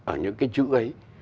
ở những cái chữ ấy